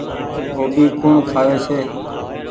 گوڀي ڪوڻ کآوي ڇي۔